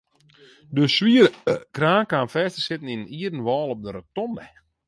De swiere kraan kaam fêst te sitten yn in ierden wâl op de rotonde.